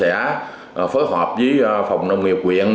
về phía mặt của ngành sẽ phối hợp với phòng nông nghiệp quyện